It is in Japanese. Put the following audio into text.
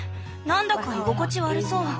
何だか居心地悪そう。